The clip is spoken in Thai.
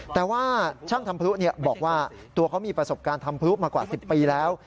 แต่ว่าช่างทำพลุบอกว่าตัวเขามีประสบการณ์ทำพลุมากว่า๑๐ปีแล้ว